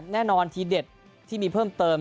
แน่นอนทีเด็ดที่มีเพิ่มเติม